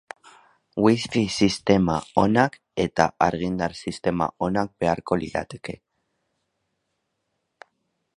Wifi sistema onak eta argindar sistema onak beharko lirateke.